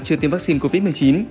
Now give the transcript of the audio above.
chưa tiêm vaccine covid một mươi chín